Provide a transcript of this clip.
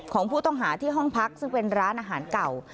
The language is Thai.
ของผู้ต้องหาที่ห้องพักซึ่งเป็นร้านอาหารเก่า